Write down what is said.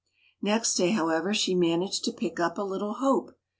Next day, however, she managed to pick up a little hope.